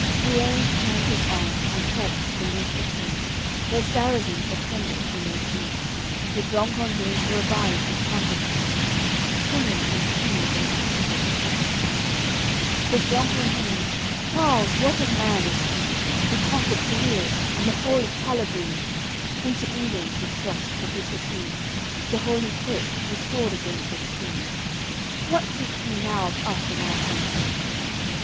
AOI. XXVIII Guenes canters on, and halts beneath a tree; Where Sarrazins assembled he may see, With Blancandrins, who abides his company. Cunning and keen they speak then, each to each, Says Blancandrins: "Charles, what a man is he, Who conquered Puille and th'whole of Calabrie; Into England he crossed the bitter sea, To th' Holy Pope restored again his fee. What seeks he now of us in our country?"